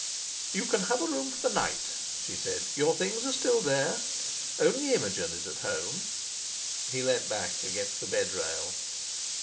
"You can have a room for the night," she said; "your things are still here. Only Imogen is at home." He leaned back against the bed rail.